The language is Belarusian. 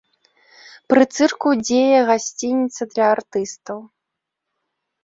Пры цырку дзее гасцініца для артыстаў.